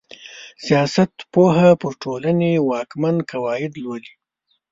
سياست پوهنه پر ټولني واکمن قواعد لولي.